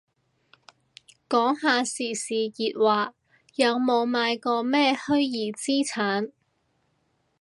講下時事熱話，有冇買過咩虛擬資產